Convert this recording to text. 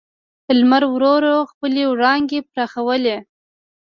لمر ورو ورو خپلې وړانګې پراخولې.